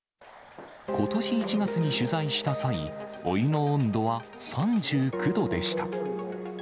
ことし１月に取材した際、お湯の温度は３９度でした。